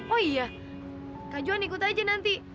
oh iya kak johan ikut aja nanti